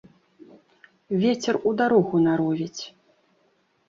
Вецер у дарогу наровіць.